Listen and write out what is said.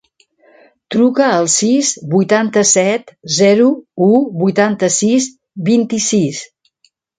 Truca al sis, vuitanta-set, zero, u, vuitanta-sis, vint-i-sis.